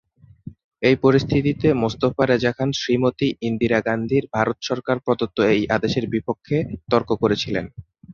এই পরিস্থিতিতে মোস্তফা রেজা খান শ্রীমতী ইন্দিরা গান্ধীর ভারত সরকার প্রদত্ত এই আদেশের বিপক্ষে তর্ক করেছিলেন।